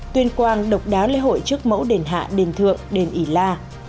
tuyên quang độc đáo lễ hội trước mẫu đền hạ đền thượng đền ỉ la